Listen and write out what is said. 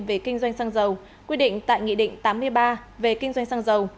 về kinh doanh xăng dầu quy định tại nghị định tám mươi ba về kinh doanh xăng dầu